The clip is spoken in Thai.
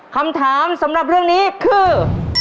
คำถามสำหรับเรื่องนี้คือ